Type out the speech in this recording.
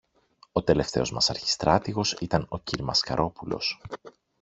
ο τελευταίος μας αρχιστράτηγος ήταν ο κυρ-Μασκαρόπουλος.